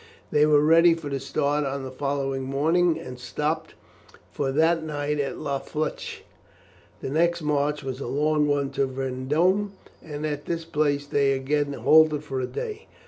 They were ready for the start on the following morning, and stopped for that night at La Flèche. The next march was a long one to Vendôme, and at this place they again halted for a day.